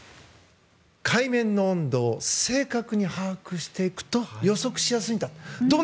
海面の温度を正確に把握していくと予測しやすいんだと。